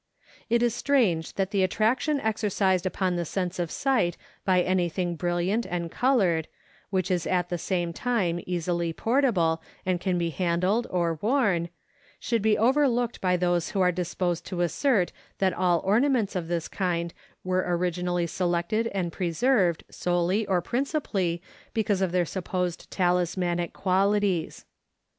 It is strange that the attraction exercised upon the sense of sight by anything brilliant and colored, which is at the same time easily portable and can be handled or worn, should be overlooked by those who are disposed to assert that all ornaments of this kind were originally selected and preserved solely or principally because of their supposed talismanic qualities.